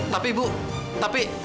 tapi bu tapi